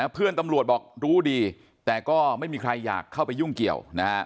เพื่อนตำรวจบอกรู้ดีแต่ก็ไม่มีใครอยากเข้าไปยุ่งเกี่ยว